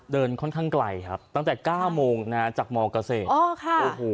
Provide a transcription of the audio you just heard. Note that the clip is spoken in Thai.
ค่อนข้างไกลครับตั้งแต่เก้าโมงนะฮะจากมเกษตรอ๋อค่ะโอ้โห